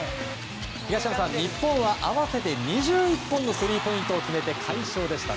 東山さん、日本は合わせて２１本のスリーポイントを決め快勝です。